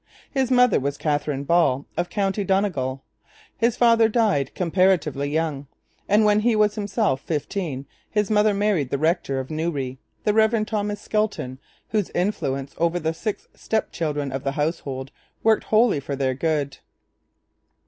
His mother was Catherine Ball of County Donegal. His father died comparatively young; and, when he was himself fifteen, his mother married the rector of Newry, the Reverend Thomas Skelton, whose influence over the six step children of the household worked wholly for their good.